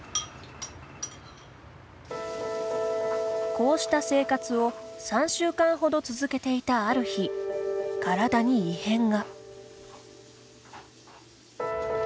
こうした生活を３週間ほど続けていたある日体に異変が。